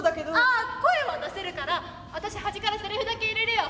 あ声は出せるから私端からセリフだけ入れるよ。